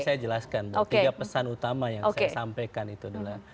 saya jelaskan tiga pesan utama yang saya sampaikan itu adalah